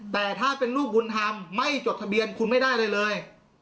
แต่ถ้าเป็นลูกบุญธรรมไม่จดทะเบียนคุณไม่ได้อะไรเลย